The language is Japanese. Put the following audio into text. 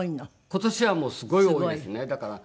今年はもうすごい多いですねだから。